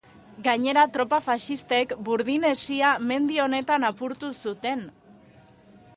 Gainera, tropa faxistek Burdin Hesia mendi honetan apurtu zuten.